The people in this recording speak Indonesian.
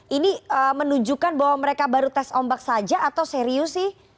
ini menunjukkan bahwa mereka baru tes ombak saja atau serius sih